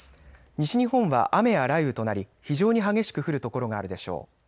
西日本は雨や雷雨となり非常に激しく降る所があるでしょう。